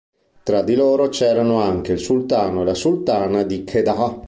Tra di loro c'erano anche il sultano e la sultana di Kedah.